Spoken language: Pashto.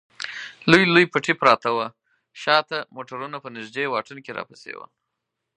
لوی لوی پټي پراته و، شا ته موټرونه په نږدې واټن کې راپسې و.